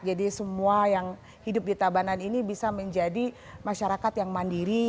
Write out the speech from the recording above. jadi semua yang hidup di tabanan ini bisa menjadi masyarakat yang mandiri